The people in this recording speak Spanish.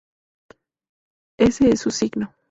Ese es su signo".